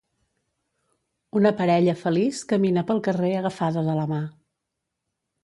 Una parella feliç camina pel carrer agafada de la mà.